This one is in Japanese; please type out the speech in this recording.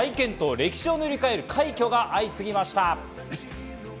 歴史を塗り替える快挙が相次ぎました。